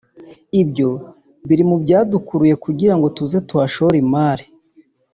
ibyo biri mu byadukuruye kugira ngo tuze tuhashore imari